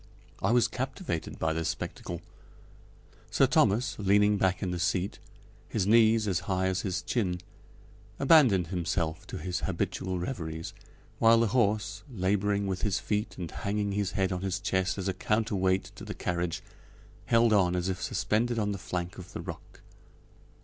I was captivated by this spectacle. Sir Thomas, leaning back in the seat, his knees as high as his chin, abandoned himself to his habitual reveries, while the horse, laboring with his feet and hanging his head on his chest as a counter weight to the carriage, held on as if suspended on the flank of the rock.